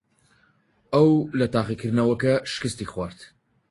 ئەو لە تاقیکردنەوەکە شکستی خوارد.